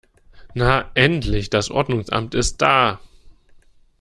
Na endlich, das Ordnungsamt ist da!